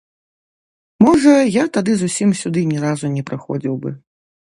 Можа, я тады зусім сюды ні разу не прыходзіў бы.